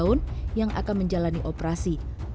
dan di kota mojokerto dia akan menjalani operasi di kota mojokerto